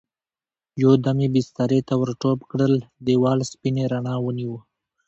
يو دم يې بسترې ته ور ټوپ کړل، دېوال سپينې رڼا ونيو.